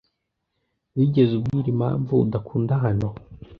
Wigeze ubwira impamvu udakunda hano?